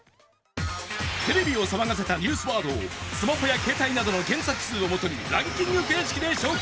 テレビを騒がせたニュースワードをスマホや携帯の検索数を基にランキング形式で紹介